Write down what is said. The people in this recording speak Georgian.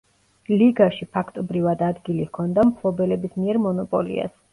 ლიგაში ფაქტობრივად ადგილი ჰქონდა მფლობელების მიერ მონოპოლიას.